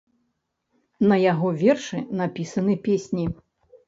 На яго вершы напісаны песні.